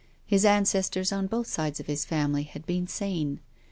His ancestors on both sides of the family had been sane.